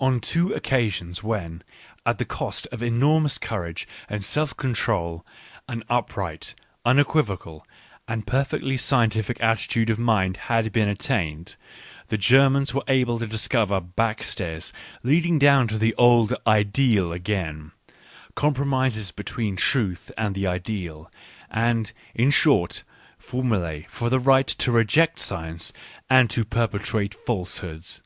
On two occasions when, at the cost of enormous courage and self control, an up right, unequivocal, and perfectly scientific attitude of mind had been attained, the Germans were able to discover back stairs leading down to the old " ideal " again, compromises between truth and the " ideal," and, in short, formulae for the right to reject science and to perpetrate falsehoods.